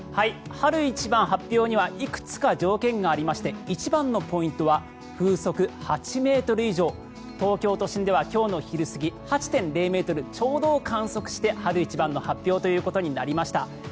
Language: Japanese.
春一番発表にはいくつか条件がありまして一番のポイントは風速８ｍ以上東京都心では今日の昼過ぎ、８．０ｍちょうどを観測して春一番の発表ということになりました。